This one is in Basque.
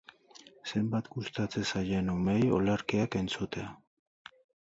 Zenbat gustatzen zaien umeei olerkiak entzutea!